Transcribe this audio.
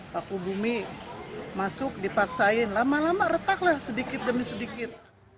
paku bumi masuk dipaksain lama lama retak lah sedikit demi sedikit